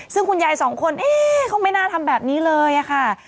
ซึ่งคุณยายสองคนเอ๊ะเขาไม่น่าทำแบบนี้เลยค่ะ